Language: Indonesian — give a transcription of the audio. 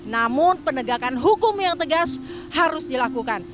namun penegakan hukum yang tegas harus dilakukan